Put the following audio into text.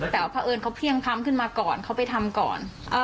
แต่เอิญเขาเพี่ยงคล้ำกลับมาก่อนเขาไปทำก่อน